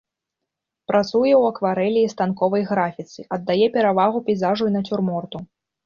Працуе ў акварэлі і станковай графіцы, аддае перавагу пейзажу і нацюрморту.